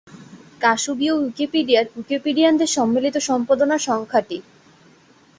কাশুবীয় উইকিপিডিয়ায় উইকিপিডিয়ানদের সম্মিলিত সম্পাদনার সংখ্যা টি।